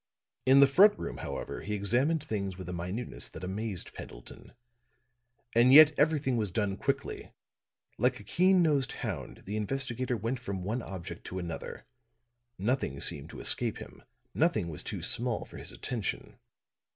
In the front room, however, he examined things with a minuteness that amazed Pendleton. And yet everything was done quickly; like a keen nosed hound, the investigator went from one object to another; nothing seemed to escape him, nothing was too small for his attention.